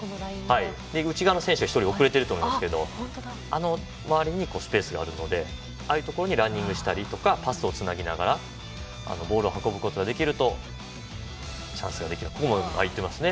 内側の選手が遅れているのでその周りにスペースがあるのでああいうところにランニングしたりパスをつなぎながらボールを運ぶことができるとチャンスができるかなと思います。